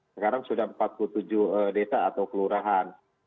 sekarang sudah empat puluh tujuh desa atau kelurahan